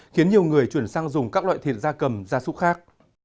khiến nhiều người chuyển sang dùng các loại thịt da cầm da súc khác